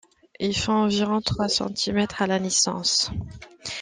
Ils font environ trois centimètres à la naissance.